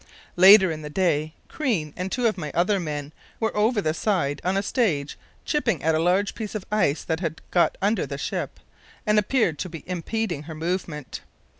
Later in the day Crean and two other men were over the side on a stage chipping at a large piece of ice that had got under the ship and appeared to be impeding her movement.